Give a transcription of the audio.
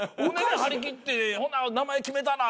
張り切って「ほな名前決めたな」